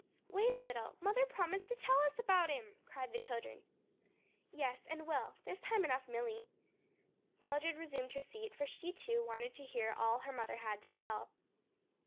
"Wait a little. Mother promised to tell us about him," cried the children. "Yes, and will. There's time enough, Milly." Mildred resumed her seat; for she, too, wanted to hear all her mother had to tell.